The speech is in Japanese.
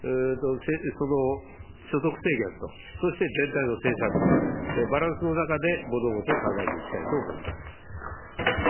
その所得制限と、そして全体の政策のバランスの中で、物事を考えていきたいと思います。